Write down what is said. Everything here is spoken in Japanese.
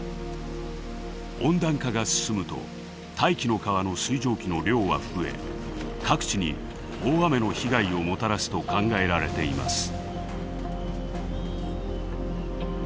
温暖化が進むと「大気の川」の水蒸気の量は増え各地に大雨の被害をもたらすと考えられています。